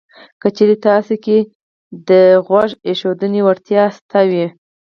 که چېرې تاسې کې د غوږ ایښودنې وړتیا شته وي